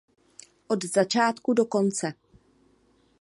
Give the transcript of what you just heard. Od začátku do konce.